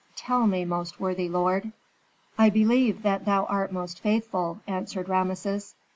Tell me, most worthy lord." "I believe that thou art most faithful," answered Rameses.